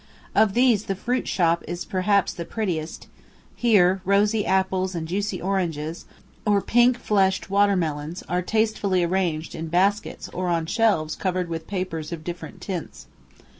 Of these the fruit shop is perhaps the prettiest; here rosy apples and juicy oranges, or pink fleshed water melons, are tastefully arranged in baskets or on shelves covered with papers of different tints.